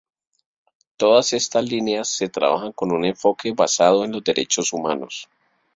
Todas estas líneas se trabajan con un enfoque basado en los derechos humanos.